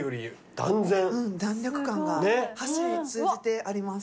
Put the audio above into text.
弾力感が箸通じてあります。